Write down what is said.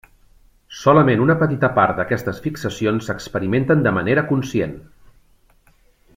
Solament una petita part d'aquestes fixacions s'experimenten de manera conscient.